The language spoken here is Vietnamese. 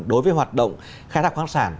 đối với hoạt động khai thác khoáng sản